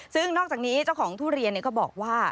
ซึ่งนอกจากนี้เจ้าของทุเรียนก็บอกว่า